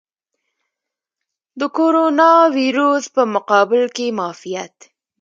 د کوروناویرس په مقابل کې معافیت.